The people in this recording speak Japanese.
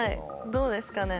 どうですかね？